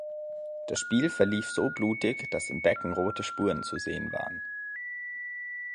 Das Spiel verlief so blutig, dass im Becken rote Spuren zu sehen waren.